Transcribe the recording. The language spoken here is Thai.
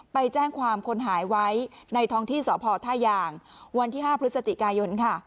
ไปแจ้งความคนหายไว้ในท้องที่สพท่ายางวันที่๕พฤศจิกายนค่ะ